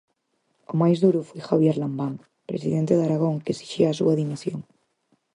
O máis duro foi Javier Lambán, presidente de Aragón que esixía a súa dimisión.